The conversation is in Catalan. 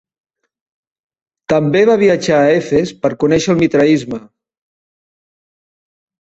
També va viatjar a Efes per conèixer el mitraisme.